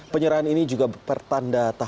penyerahan ini juga bertanda tahap penipuan